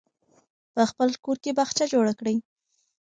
په خپل کور کې باغچه جوړه کړئ.